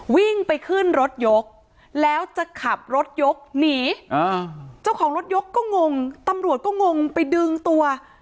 วิ่งไปขึ้นรถยกแล้วจะขับรถยกหนีเจ้าของรถยกก็งงตำรวจก็งงไปดึงตัว